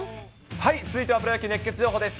続いてはプロ野球熱ケツ情報です。